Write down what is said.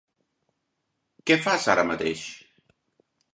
Què fas ara mateix?